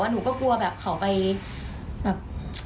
หนูก็กลัวแบบเขาไปแบบ